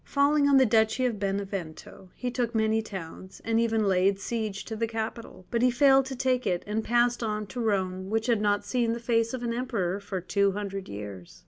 Falling on the Duchy of Benevento, he took many towns, and even laid siege to the capital. But he failed to take it, and passed on to Rome, which had not seen the face of an emperor for two hundred years.